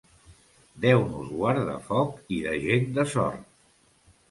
Déu nos guard de foc i de gent de Sort.